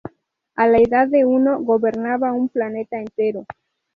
A la edad de uno, gobernaba un planeta entero.